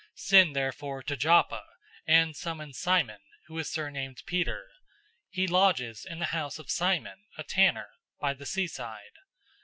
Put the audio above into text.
010:032 Send therefore to Joppa, and summon Simon, who is surnamed Peter. He lodges in the house of Simon a tanner, by the seaside.